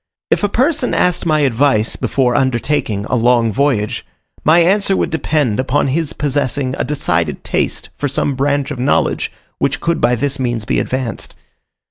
If a person asked my advice, before undertaking a long voyage, my answer would depend upon his possessing a decided taste for some branch of knowledge, which could by this means be advanced.